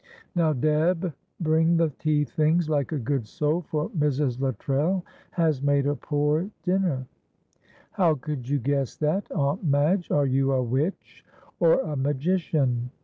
Now, Deb, bring the tea things, like a good soul, for Mrs. Luttrell has made a poor dinner." "How could you guess that, Aunt Madge? Are you a witch or a magician?"